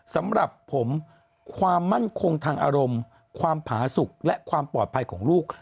สำหรับผมความมั่นคงทางอารมณ์ความผาสุขและความปลอดภัยของลูก